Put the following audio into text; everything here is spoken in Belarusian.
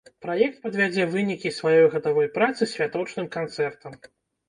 Праект падвядзе вынікі сваёй гадавой працы святочным канцэртам.